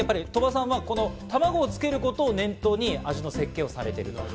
卵を付けることを念頭に味の設計をされていると。